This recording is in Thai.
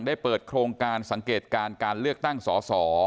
ได้เปิดโครงการสังเกตการณ์การเลือกตั้งสอสอ